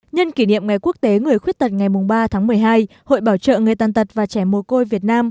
nhân kỷ niệm ngày quốc tế người khuyết tật ngày ba tháng một mươi hai hội bảo trợ người tàn tật và trẻ mồ côi việt nam